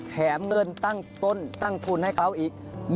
แถมเงินตั้งต้นตั้งทุนให้เขาอีก